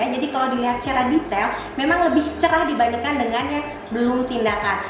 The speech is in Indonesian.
jadi kalau dilihat secara detail memang lebih cerah dibandingkan dengan yang belum tindakan